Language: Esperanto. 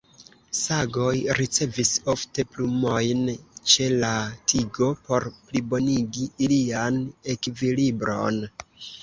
Sagoj ricevis ofte plumojn ĉe la tigo por plibonigi ilian ekvilibron.